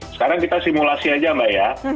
sekarang kita simulasi aja mbak ya